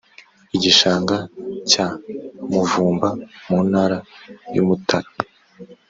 igishanga cya muvumba mu ntara y’umutara,